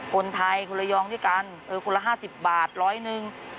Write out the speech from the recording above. คนไทยคนละยองด้วยกันคนละ๕๐บาทร้อยหนึ่ง